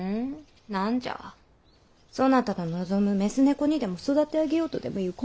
何じゃそなたの望む雌猫にでも育て上げようとでもいう魂胆か？